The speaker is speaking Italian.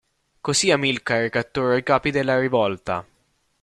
Così Amilcare catturò i capi della rivolta.